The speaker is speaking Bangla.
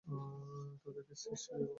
তাদের কেস হিস্ট্রি দেখো।